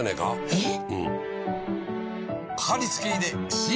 えっ⁉